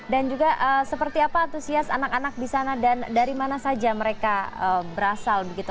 juga seperti apa antusias anak anak di sana dan dari mana saja mereka berasal begitu